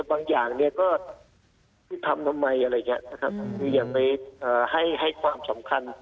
บางอย่างก็ทำทำไมอย่าไปให้ความสำคัญ